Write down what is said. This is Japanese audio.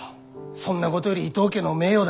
そんなことより伊藤家の名誉だ。